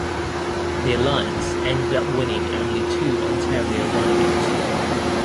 The Alliance ended up winning only two Ontario ridings.